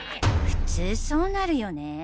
普通そうなるよね。